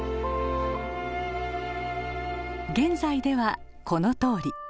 現在ではこのとおり。